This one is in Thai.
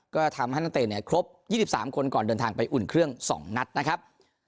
ก็ทำให้นักเตะเนี่ยครบ๒๓คนก่อนเดินทางไปอุ่นเครื่อง๒นัดนะครับ